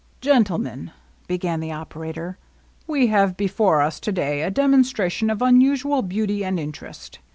" Gentlemen," began the operator, " we have be fore us to day a demonstration of unusual beauty and interest.